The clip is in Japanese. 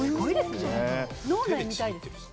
脳内を見たいです。